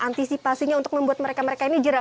antisipasinya untuk membuat mereka mereka ini jerak